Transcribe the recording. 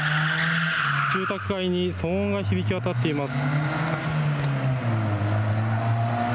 住宅街に騒音が響き渡っています。